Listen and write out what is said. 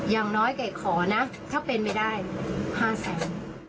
อย่างน้อยไก่ขอนะถ้าเป็นไม่ได้๕แสน